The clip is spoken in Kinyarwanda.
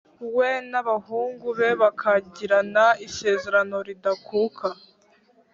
We n’abahungu be bakagirana isezerano ridakuka